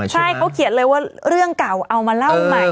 ใช่เขาเขียนเลยว่าเรื่องเก่าเอามาเล่าใหม่